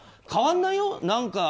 変わらないよ。